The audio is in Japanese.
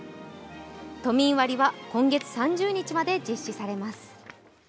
都民割は今月３０日まで実施されます。